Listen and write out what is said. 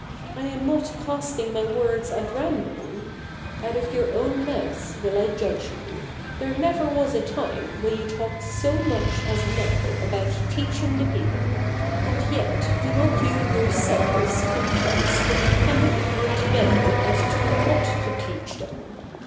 I am not casting my words at random. Out of your own mouths will I judge you. There never was a time when you talked so much as now about teaching 246 THE NEW REPUBLIC [bk. v the people, and yet do not you yourselves confess that you cannot agree together as to what to teach them